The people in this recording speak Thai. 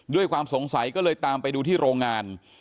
ด้วยความสงสัยก็เลยตามไปดูที่โรงงาน